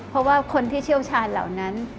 เพราะว่าคนที่เชี่ยวชาญเหล่านั้น